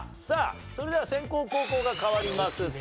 さあそれでは先攻後攻が代わります。